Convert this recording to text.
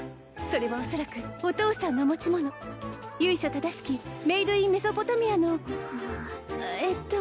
それは恐らくお父さんの持ち物由緒正しきメイドインメソポタミアのえっと